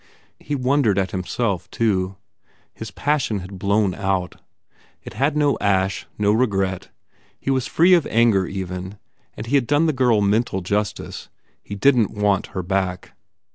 He wondered at himself, too. His passion had blown out. It had no ash, no regret. He was free of anger, even, and he had done the girl mental justice. He didn t want her back.